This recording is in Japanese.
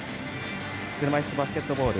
車いすバスケットボール